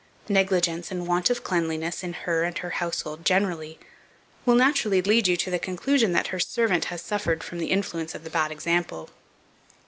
Negligence and want of cleanliness in her and her household generally, will naturally lead you to the conclusion, that her servant has suffered from the influence of the bad example.